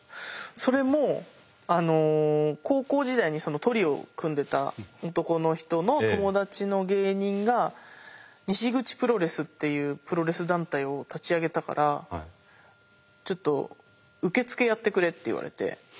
それもあの高校時代にそのトリオを組んでた男の人の友達の芸人が西口プロレスっていうプロレス団体を立ち上げたからちょっと受付やってくれって言われて。